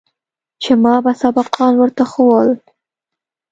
چې ما به سبقان ورته ښوول.